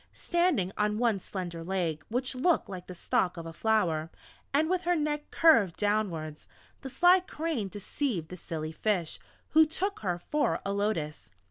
Standing on one slender leg which looked like the stalk of a flower, and with her neck curved downwards, the sly Crane deceived the silly Fish, who took her for a Lotus.